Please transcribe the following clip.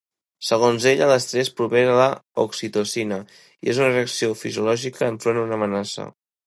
Segons ella, l'estrès prové de l'oxitocina, i és una reacció fisiològica enfront una amenaça.